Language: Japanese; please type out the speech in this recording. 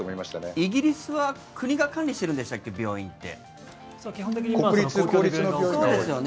イギリスは国が管理しているんでしたっけ病院って。